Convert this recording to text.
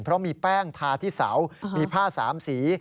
เพราะมีแป้งทาที่เสามีผ้า๓สี